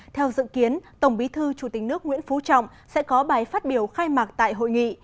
theo dự kiến tổng bí thư chủ tịch nước nguyễn phú trọng sẽ có bài phát biểu khai mạc tại hội nghị